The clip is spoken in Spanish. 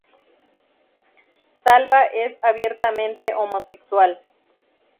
Salva es abiertamente homosexual.